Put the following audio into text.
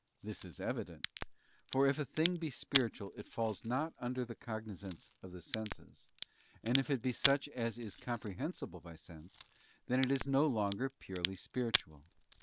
This is evident: for if a thing be spiritual it falls not under the cognisance of the senses, and if it be such as is comprehensible by sense, then is it no longer purely spiritual.